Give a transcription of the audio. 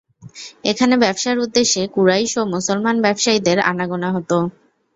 এখানে ব্যবসার উদ্দেশ্যে কুরাইশ ও মুসলমান ব্যবসায়ীদের আনাগোনা হত।